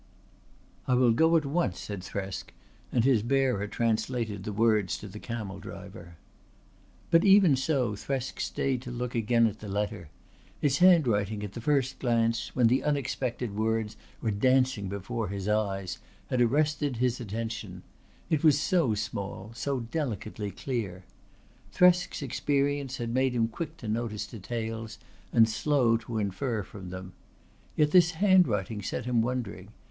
"I will go at once," said Thresk and his bearer translated the words to the camel driver. But even so Thresk stayed to look again at the letter. Its handwriting at the first glance, when the unexpected words were dancing before his eyes, had arrested his attention; it was so small, so delicately clear. Thresk's experience had made him quick to notice details and slow to infer from them. Yet this handwriting set him wondering.